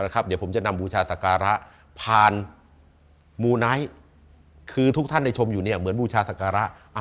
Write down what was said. เดี๋ยวผมจะนำบูชาสการะผ่านมูนัยคือทุกท่านในชมอยู่เนี่ยเหมือนบูชาสการะ